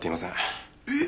えっ？